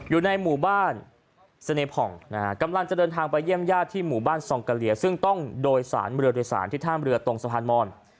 อยู่ในหมู่บ้านเสน่ผ่องนะฮะกำลังจะเดินทางไปเยี่ยมญาติที่หมู่บ้านซองกะเลียซึ่งต้องโดยสารเรือโดยสารที่ท่ามเรือตรงสะพานมอน